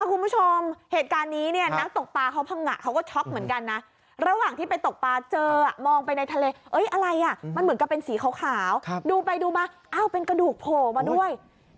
คุณผู้ชมเหตุการณ์นี้เนี่ย